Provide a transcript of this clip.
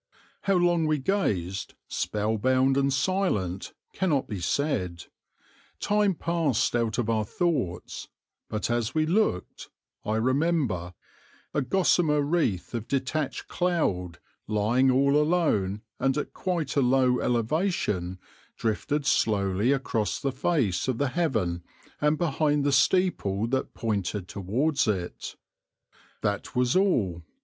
How long we gazed, spellbound and silent, cannot be said; time passed out of our thoughts; but as we looked, I remember, a gossamer wreath of detached cloud, lying all alone and at quite a low elevation, drifted slowly across the face of the heaven and behind the steeple that pointed towards it. That was all.